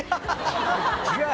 違う！